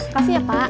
kasih ya pak